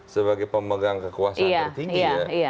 sebagai pemegang kekuasaan yang tinggi ya